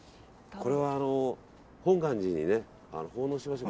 これは本願寺に奉納しましょう。